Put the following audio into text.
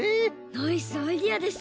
ナイスアイデアですね。